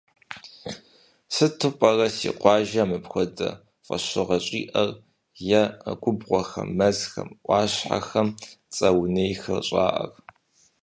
Сыту пӏэрэ си къуажэм мыпхуэдэ фӏэщыгъэ щӏиӏэр е губгъуэхэм, мэзхэм, ӏуащхьэхэм цӏэ унейхэр щӏаӏэр?